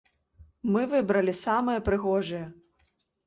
Мы выбралі самыя прыгожыя.